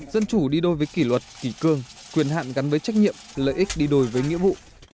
dân chủ đi đôi với kỷ luật kỷ cương quyền hạn gắn với trách nhiệm lợi ích đi đôi với nghĩa vụ